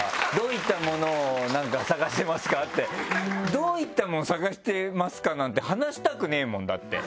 「どういったものを探してますか？」なんて話したくねえもんだって。